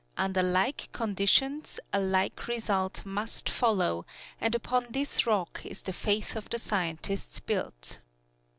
Under like conditions a like result must follow, and upon this rock is the faith of the Scientists built.